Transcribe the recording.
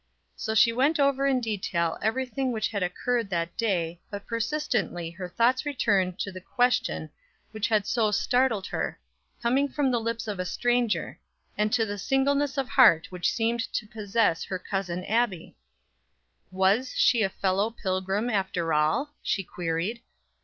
So she went over in detail everything which had occurred that day but persistently her thoughts returned to the question which had so startled her, coming from the lips of a stranger, and to the singleness of heart which seemed to possess her Cousin Abbie. "Was she a fellow pilgrim after all?" she queried.